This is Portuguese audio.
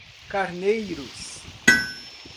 Carneiros